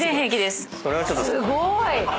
すごい！